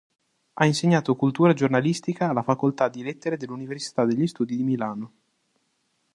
Ha insegnato Cultura giornalistica alla facoltà di lettere dell'Università degli Studi di Milano.